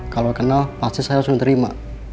kalau kenal pasti saya langsung terima